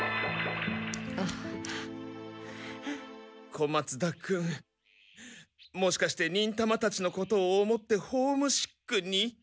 小松田君もしかして忍たまたちのこと思ってホームシックに？